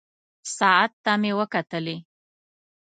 ساعت ته مې وکتلې.